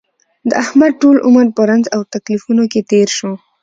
د احمد ټول عمر په رنځ او تکلیفونو کې تېر شو.